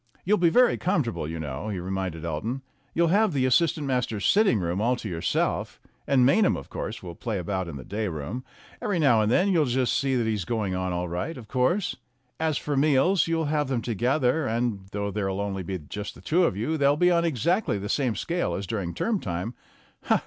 "You'll be very comfortable, you know," he reminded Elton. "You'll have the as sistant masters' sitting room all to yourself, and Maynham, of course, will play about in the day room. Every now and then you'll just see that he's going on all right, of course. As for meals, you'll have them together, and though there'll only just be you two they'll be on exactly the same scale as during term time.